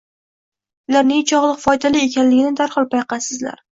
Ular nechog’lik foydali ekanligini darhol payqaysizlar.